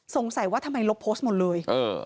สงสัยว่าทำไมลบโพสต์หมดเลย